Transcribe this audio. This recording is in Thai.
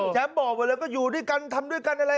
แจ๊บบอกไปแล้วก็อยู่ด้วยกันทำด้วยกันอะไรเออ